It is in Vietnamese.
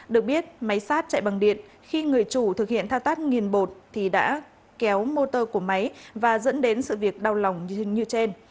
được biết máy sát chạy bằng điện khi người chủ thực hiện thao tác nghiền bột thì đã kéo motor của máy và dẫn đến sự việc đau lòng như trên